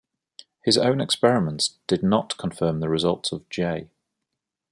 His own experiments did not confirm the results of J.